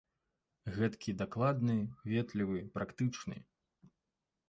Гэткі дакладны, ветлівы, практычны!